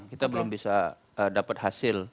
kita belum bisa dapat hasil